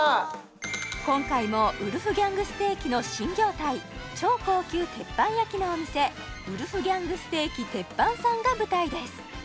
今回もウルフギャング・ステーキの新業態超高級鉄板焼きのお店ウルフギャング・ステーキＴＥＰＰＡＮさんが舞台です